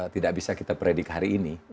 tidak bisa kita predik hari ini